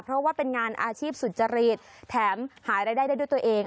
เพราะว่าเป็นงานอาชีพสุจริตแถมหารายได้ได้ด้วยตัวเอง